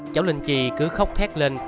cháu linh chi cứ khóc thét lên